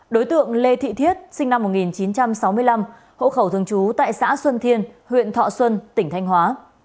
đối tượng lê thị thiết sinh năm một nghìn chín trăm sáu mươi năm hộ khẩu thường trú tại xã xuân thiên huyện thọ xuân tỉnh thanh hóa